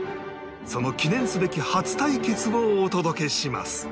その記念すべき初対決をお届けします